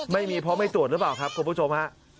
ไม่มีเพราะไม่ตรวจหรือเปล่าครับคุณผู้ชมฮะ